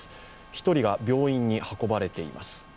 １人が病院に運ばれています。